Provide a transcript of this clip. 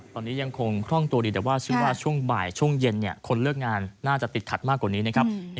ตอนนี้ยังคงคล่องตัวดีแต่ว่าชื่อว่าช่วงบ่ายช่วงเย็นคนเลิกงานน่าจะติดขัดมากกว่านี้นะครับ